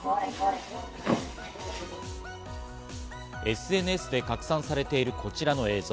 ＳＮＳで拡散されている、こちらの映像。